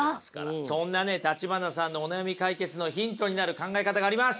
そんなね橘さんのお悩み解決のヒントになる考え方があります。